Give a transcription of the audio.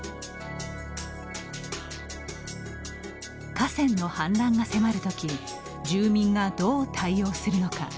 河川の氾濫が迫るとき住民がどう対応するのか。